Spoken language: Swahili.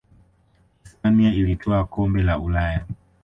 hispania ilitwaa kombe la ulaya